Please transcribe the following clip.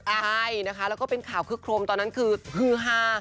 ใช่นะคะแล้วก็เป็นข่าวคึกโครมตอนนั้นคือฮือฮา